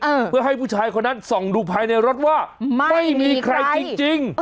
เออเพื่อให้ผู้ชายคนนั้นส่องดูภายในรถว่าไม่มีใครจริงจริง